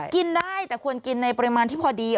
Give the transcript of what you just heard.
กินได้แต่ควรกินในปริมาณที่พอดี